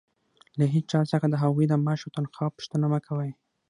له هيچا څخه د هغوى د معاش او تنخوا پوښتنه مه کوئ!